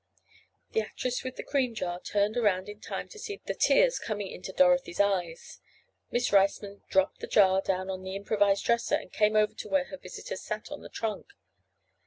The actress with the cream jar turned around in time to see the tears coming into Dorothy's eyes. Miss Riceman dropped the jar down on her improvised dresser and came over to where her visitor sat on the trunk.